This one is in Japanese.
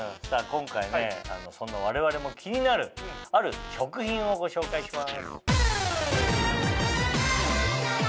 今回そんな我々も気になるある食品をご紹介します。